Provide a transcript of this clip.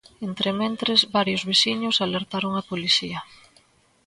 Entrementres, varios veciños alertaron a policía.